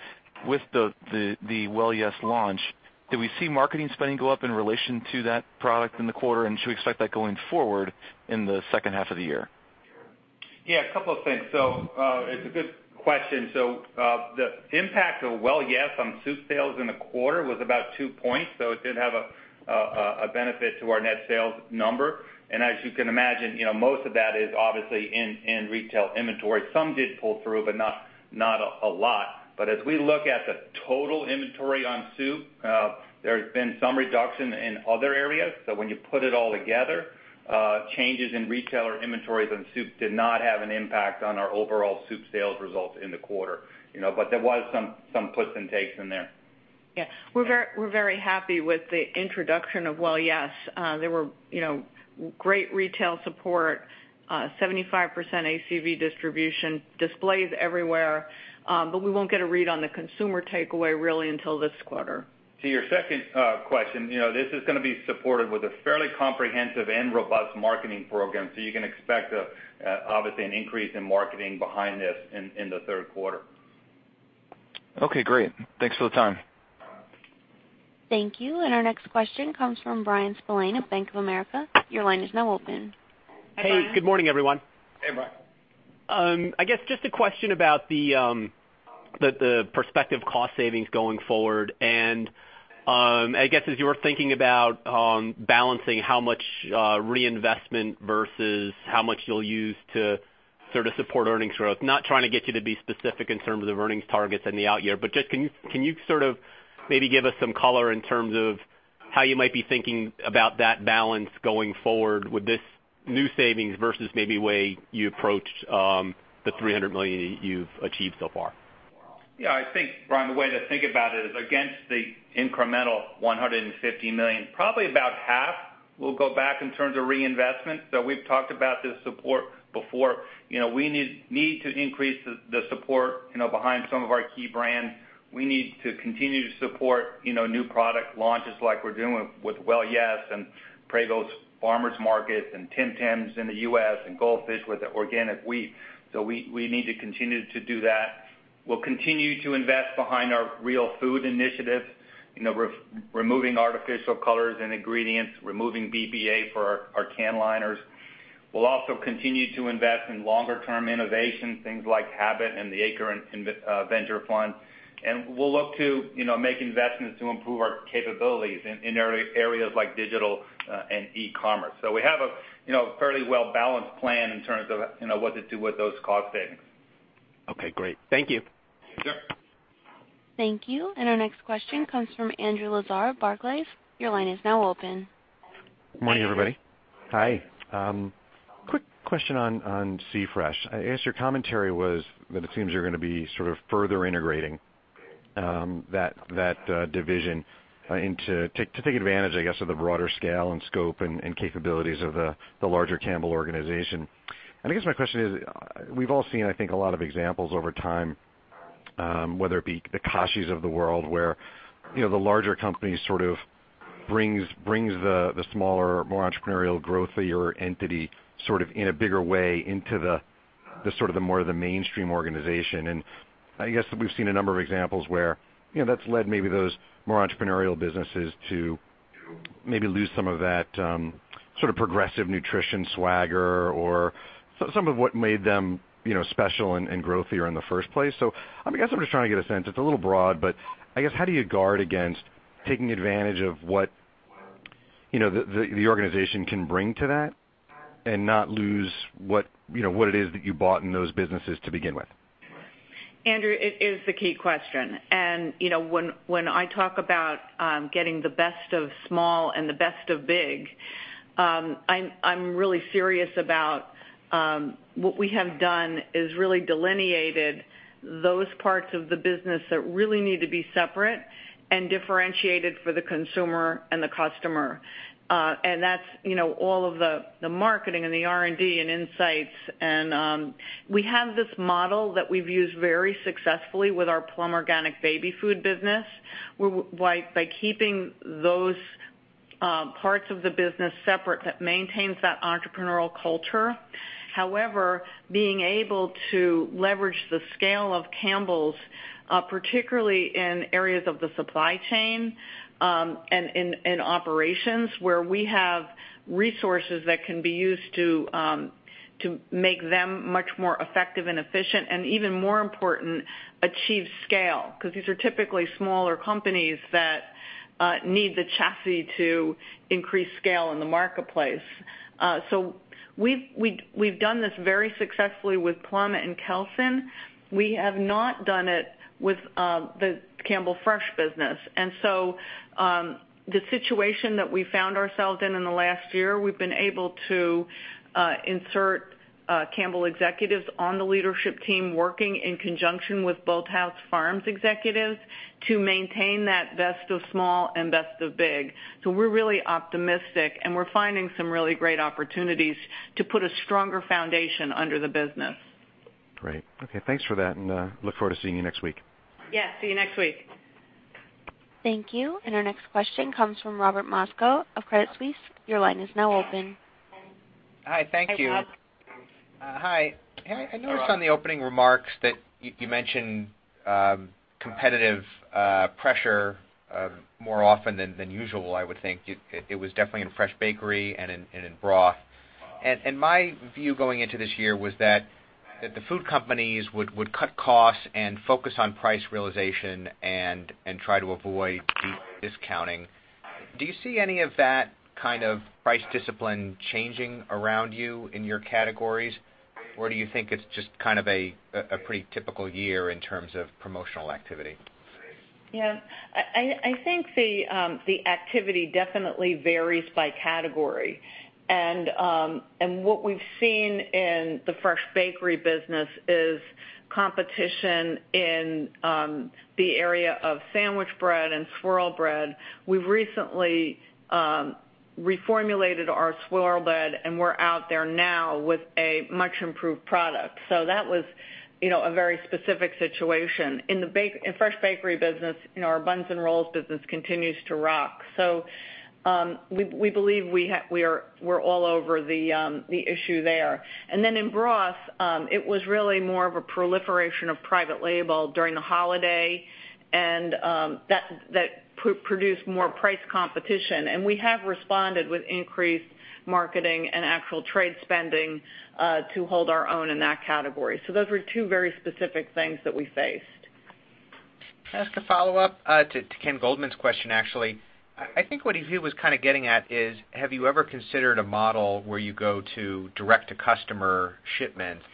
with the Well Yes! launch, do we see marketing spending go up in relation to that product in the quarter? Should we expect that going forward in the second half of the year? Yeah, a couple of things. It's a good question. The impact of Well Yes! on soup sales in the quarter was about two points, it did have a benefit to our net sales number. As you can imagine, most of that is obviously in retail inventory. Some did pull through, but not a lot. As we look at the total inventory on soup, there's been some reduction in other areas. When you put it all together, changes in retailer inventories on soup did not have an impact on our overall soup sales results in the quarter. There was some puts and takes in there. Yeah. We're very happy with the introduction of Well Yes! There were great retail support, 75% ACV distribution, displays everywhere. We won't get a read on the consumer takeaway really until this quarter. To your second question, this is gonna be supported with a fairly comprehensive and robust marketing program. You can expect, obviously, an increase in marketing behind this in the third quarter. Okay, great. Thanks for the time. Thank you. Our next question comes from Bryan Spillane of Bank of America. Your line is now open. Hey Bryan. Hey, good morning, everyone. Hey, Bryan. I guess just a question about the prospective cost savings going forward, as you were thinking about balancing how much reinvestment versus how much you'll use to sort of support earnings growth. Not trying to get you to be specific in terms of earnings targets in the out year, just can you sort of maybe give us some color in terms of how you might be thinking about that balance going forward with this new savings versus maybe way you approached the $300 million you've achieved so far? Yeah, I think, Bryan, the way to think about it is against the incremental $150 million, probably about half will go back in terms of reinvestment. We've talked about this support before. We need to increase the support behind some of our key brands. We need to continue to support new product launches like we're doing with Well Yes! and Prego Farmers' Market and Tim Tams in the U.S. and Goldfish with the organic wheat. We need to continue to do that. We'll continue to invest behind our Real Food initiative, removing artificial colors and ingredients, removing BPA for our can liners. We'll also continue to invest in longer term innovation, things like Habit and the Acre Venture Partners. We'll look to make investments to improve our capabilities in areas like digital and e-commerce. We have a fairly well-balanced plan in terms of what to do with those cost savings. Okay, great. Thank you. Sure. Thank you. Our next question comes from Andrew Lazar of Barclays. Your line is now open. Morning, everybody. Hi. Quick question on Campbell Fresh. I guess your commentary was that it seems you're gonna be sort of further integrating that division to take advantage, I guess, of the broader scale and scope and capabilities of the larger Campbell organization. I guess my question is, we've all seen, I think, a lot of examples over time, whether it be the Kashi's of the world, where the larger company sort of brings the smaller, more entrepreneurial growth of your entity sort of in a bigger way into the sort of the more the mainstream organization. I guess we've seen a number of examples where that's led maybe those more entrepreneurial businesses to maybe lose some of that sort of progressive nutrition swagger or some of what made them special and growthier in the first place. I guess I'm just trying to get a sense, it's a little broad, but I guess, how do you guard against taking advantage of what the organization can bring to that and not lose what it is that you bought in those businesses to begin with? Andrew, it is the key question. When I talk about getting the best of small and the best of big, I'm really serious about what we have done is really delineated those parts of the business that really need to be separate and differentiated for the consumer and the customer. That's all of the marketing and the R&D and insights, and we have this model that we've used very successfully with our Plum Organics baby food business, by keeping those parts of the business separate that maintains that entrepreneurial culture. However, being able to leverage the scale of Campbell's, particularly in areas of the supply chain, and in operations where we have resources that can be used to make them much more effective and efficient, and even more important, achieve scale. Because these are typically smaller companies that need the chassis to increase scale in the marketplace. We've done this very successfully with Plum and Kelsen. We have not done it with the Campbell Fresh business. The situation that we found ourselves in in the last year, we've been able to insert Campbell executives on the leadership team working in conjunction with Bolthouse Farms executives to maintain that best of small and best of big. We're really optimistic, and we're finding some really great opportunities to put a stronger foundation under the business. Great. Okay, thanks for that, look forward to seeing you next week. Yeah, see you next week. Thank you. Our next question comes from Robert Moskow of Credit Suisse. Your line is now open. Hi, thank you. Hi, Bob. Hi. I noticed on the opening remarks that you mentioned competitive pressure more often than usual, I would think. It was definitely in fresh bakery and in broth. My view going into this year was that the food companies would cut costs and focus on price realization and try to avoid deep discounting. Do you see any of that kind of price discipline changing around you in your categories, or do you think it's just kind of a pretty typical year in terms of promotional activity? Yeah. I think the activity definitely varies by category. What we've seen in the fresh bakery business is competition in the area of sandwich bread and swirl bread. We've recently reformulated our swirl bread, and we're out there now with a much-improved product. That was a very specific situation. In fresh bakery business, our buns and rolls business continues to rise. We believe we're all over the issue there. In broth, it was really more of a proliferation of private label during the holiday, and that produced more price competition. We have responded with increased marketing and actual trade spending to hold our own in that category. Those were two very specific things that we faced. Can I ask a follow-up to Ken Goldman's question, actually? I think what he was getting at is, have you ever considered a model where you go to direct-to-customer shipments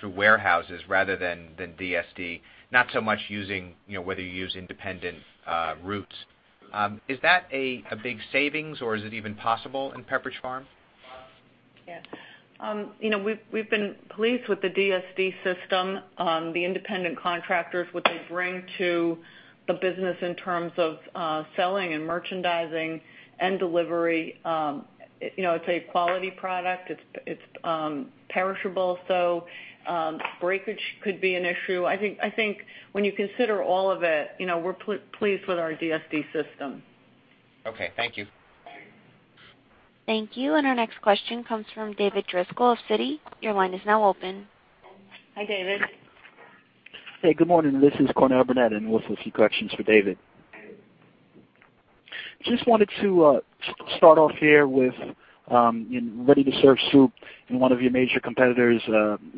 through warehouses rather than DSD? Not so much whether you use independent routes. Is that a big savings, or is it even possible in Pepperidge Farm? Yes. We've been pleased with the DSD system, the independent contractors, what they bring to the business in terms of selling and merchandising and delivery. It's a quality product. It's perishable, so breakage could be an issue. I think when you consider all of it, we're pleased with our DSD system. Okay, thank you. Thank you. Our next question comes from David Driscoll of Citi. Your line is now open. Hi, David. Hey, good morning. This is Cornell Burnette in with a few questions for David. Just wanted to start off here with ready-to-serve soup and one of your major competitors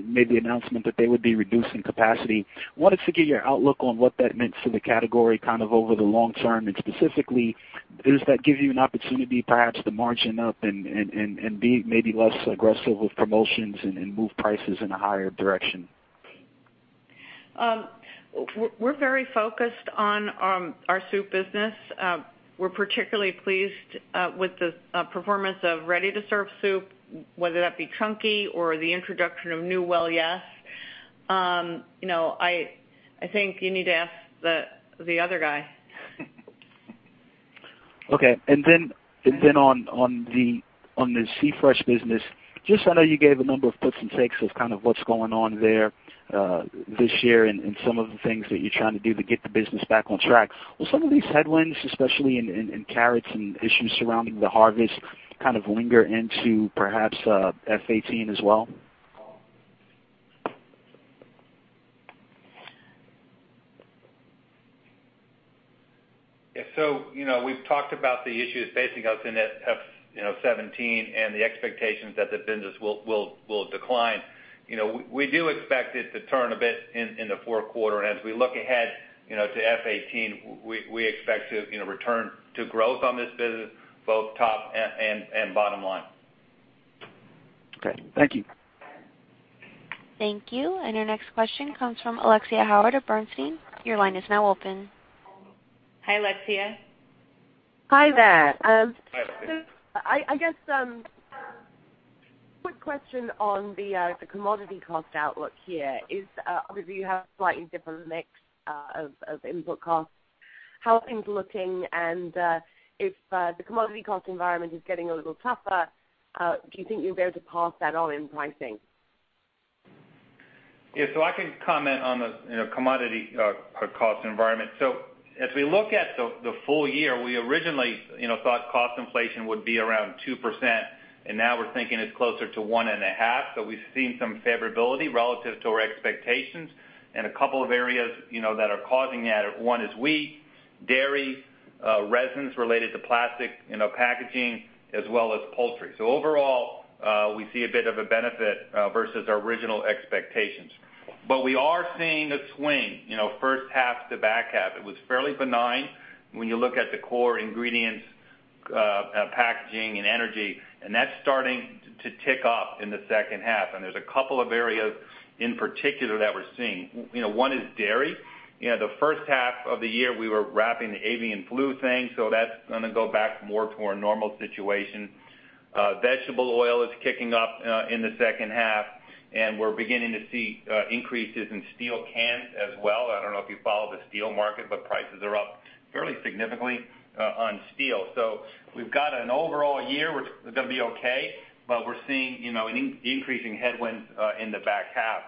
made the announcement that they would be reducing capacity. Wanted to get your outlook on what that meant for the category over the long term, and specifically, does that give you an opportunity perhaps to margin up and be maybe less aggressive with promotions and move prices in a higher direction? We're very focused on our soup business. We're particularly pleased with the performance of ready-to-serve soup, whether that be Chunky or the introduction of new Well Yes!. I think you need to ask the other guy. On the C-Fresh business, just I know you gave a number of puts and takes of what's going on there this year and some of the things that you're trying to do to get the business back on track. Will some of these headwinds, especially in carrots and issues surrounding the harvest, linger into perhaps FY 2018 as well? Yeah. We've talked about the issues facing us in FY 2017 and the expectations that the business will decline. We do expect it to turn a bit in the fourth quarter, and as we look ahead to FY 2018, we expect to return to growth on this business, both top and bottom line. Okay, thank you. Thank you. Your next question comes from Alexia Howard of Bernstein. Your line is now open. Hi, Alexia. Hi there. Hi, Alexia. I guess, quick question on the commodity cost outlook here is, obviously you have a slightly different mix of input costs, how are things looking, and if the commodity cost environment is getting a little tougher, do you think you'll be able to pass that on in pricing? Yeah, I can comment on the commodity cost environment. As we look at the full year, we originally thought cost inflation would be around 2%, and now we're thinking it's closer to 1.5%. We've seen some favorability relative to our expectations in a couple of areas that are causing that. One is wheat, dairy, resins related to plastic packaging, as well as poultry. Overall, we see a bit of a benefit versus our original expectations. We are seeing a swing, first half to back half. It was fairly benign when you look at the core ingredients, packaging and energy, and that's starting to tick up in the second half. There's a couple of areas in particular that we're seeing. One is dairy. The first half of the year, we were wrapping the avian flu thing, so that's gonna go back more to a normal situation. Vegetable oil is kicking up in the second half, and we're beginning to see increases in steel cans as well. I don't know if you follow the steel market, but prices are up fairly significantly on steel. We've got an overall year, which is gonna be okay, but we're seeing increasing headwinds in the back half.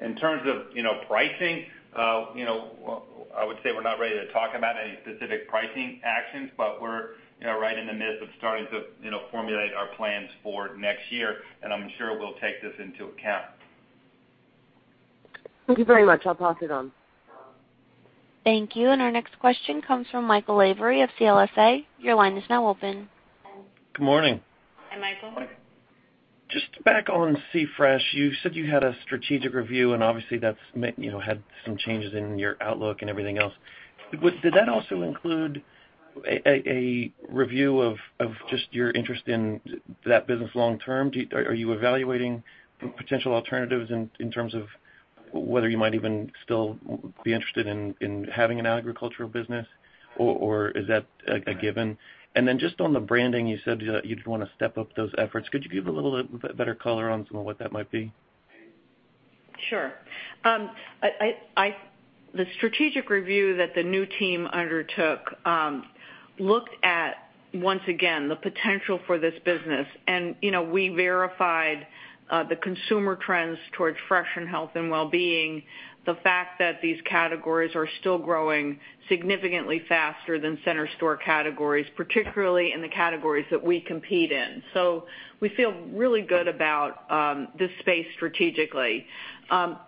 In terms of pricing, I would say we're not ready to talk about any specific pricing actions, but we're right in the midst of starting to formulate our plans for next year, and I'm sure we'll take this into account. Thank you very much. I'll pass it on. Thank you. Our next question comes from Michael Lavery of CLSA. Your line is now open. Good morning. Hi, Michael. Just back on C-Fresh, you said you had a strategic review, and obviously that's had some changes in your outlook and everything else. Did that also include a review of just your interest in that business long term? Are you evaluating potential alternatives in terms of whether you might even still be interested in having an agricultural business, or is that a given? Then just on the branding, you said you'd want to step up those efforts. Could you give a little bit better color on some of what that might be? Sure. The strategic review that the new team undertook looked at, once again, the potential for this business. We verified the consumer trends towards fresh and health and wellbeing, the fact that these categories are still growing significantly faster than center store categories, particularly in the categories that we compete in. We feel really good about this space strategically.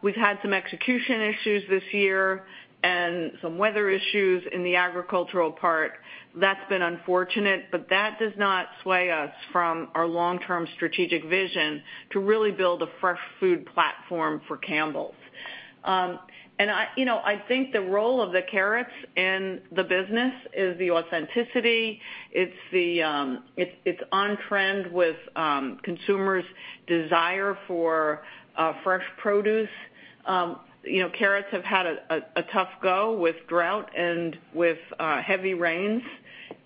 We've had some execution issues this year and some weather issues in the agricultural part. That's been unfortunate, that does not sway us from our long-term strategic vision to really build a fresh food platform for Campbell's. I think the role of the carrots in the business is the authenticity. It's on trend with consumers' desire for fresh produce. Carrots have had a tough go with drought and with heavy rains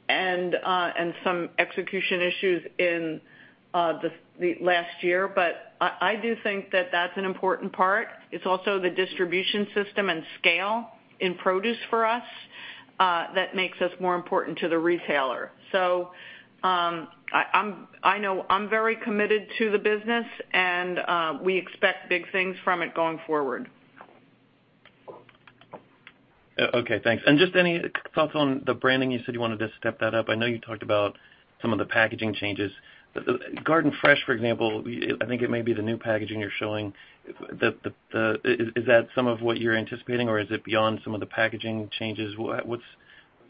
and some execution issues in the last year. I do think that that's an important part. It's also the distribution system and scale in produce for us that makes us more important to the retailer. I know I'm very committed to the business, and we expect big things from it going forward. Okay, thanks. Just any thoughts on the branding? You said you wanted to step that up. I know you talked about some of the packaging changes. Garden Fresh, for example, I think it may be the new packaging you're showing. Is that some of what you're anticipating, or is it beyond some of the packaging changes? What's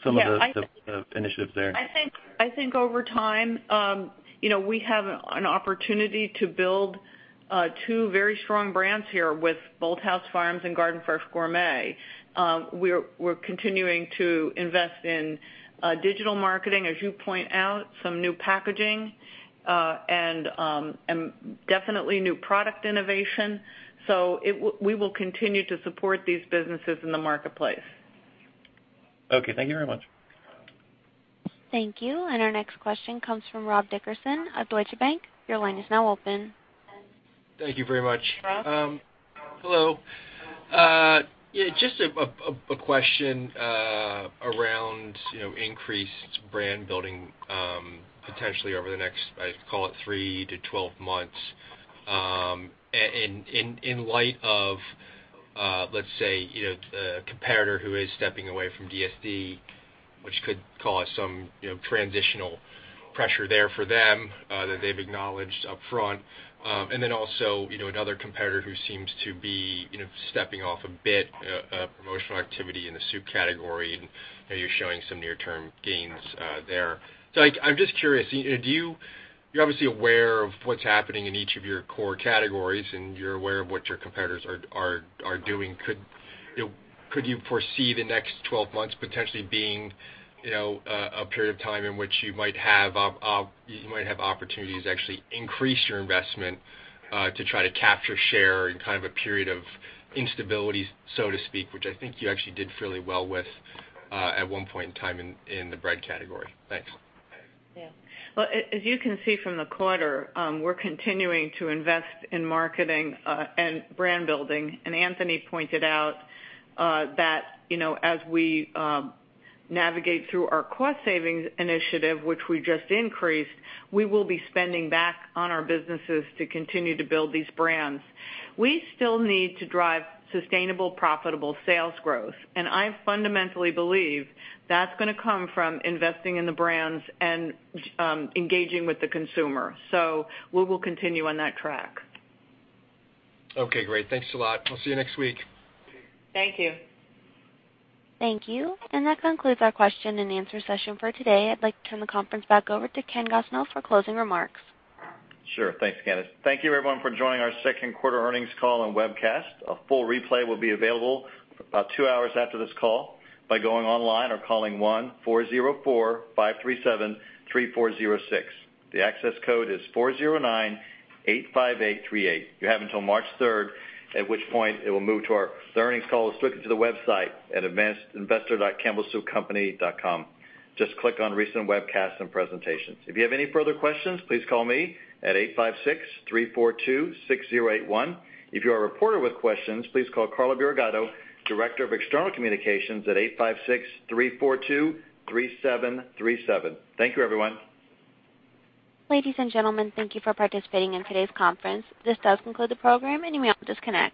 some of the initiatives there? I think over time we have an opportunity to build two very strong brands here with Bolthouse Farms and Garden Fresh Gourmet. We're continuing to invest in digital marketing, as you point out, some new packaging, and definitely new product innovation. We will continue to support these businesses in the marketplace. Okay. Thank you very much. Thank you. Our next question comes from Robert Dickerson at Deutsche Bank. Your line is now open. Thank you very much. Rob? Hello. Just a question around increased brand building potentially over the next, call it three to 12 months, in light of, let's say, a competitor who is stepping away from DSD, which could cause some transitional pressure there for them that they've acknowledged upfront. Another competitor who seems to be stepping off a bit of promotional activity in the soup category, and you're showing some near-term gains there. I'm just curious, you're obviously aware of what's happening in each of your core categories, and you're aware of what your competitors are doing. Could you foresee the next 12 months potentially being a period of time in which you might have opportunities to actually increase your investment to try to capture, share in kind of a period of instability, so to speak, which I think you actually did fairly well with at one point in time in the bread category? Thanks. Yeah. Well, as you can see from the quarter, we're continuing to invest in marketing and brand building. Anthony pointed out that as we navigate through our cost savings initiative, which we just increased, we will be spending back on our businesses to continue to build these brands. We still need to drive sustainable, profitable sales growth. I fundamentally believe that's gonna come from investing in the brands and engaging with the consumer. We will continue on that track. Okay, great. Thanks a lot. I'll see you next week. Thank you. Thank you. That concludes our question and answer session for today. I'd like to turn the conference back over to Ken Gosnell for closing remarks. Sure. Thanks, Candice. Thank you everyone for joining our second quarter earnings call and webcast. A full replay will be available about two hours after this call by going online or calling 1-404-537-3406. The access code is 40985838. You have until March 3rd, at which point it will move to our earnings call strictly to the website at investor.campbellsoupcompany.com. Just click on Recent Webcasts and Presentations. If you have any further questions, please call me at 856-342-6081. If you are a reporter with questions, please call Carla Burigatto, Director of External Communications at 856-342-3737. Thank you everyone. Ladies and gentlemen, thank you for participating in today's conference. This does conclude the program. You may all disconnect.